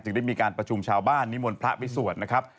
ได้มีการประชุมชาวบ้านนิมนต์พระไปสวดนะครับ